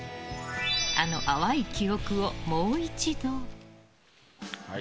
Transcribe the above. あの淡い記憶をもう一度。